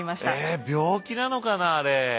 え病気なのかなあれ！？